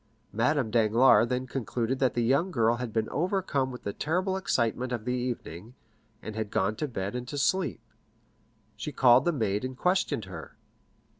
Madame Danglars then concluded that the young girl had been overcome with the terrible excitement of the evening, and had gone to bed and to sleep. She called the maid and questioned her.